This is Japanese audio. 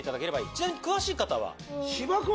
ちなみに詳しい方は？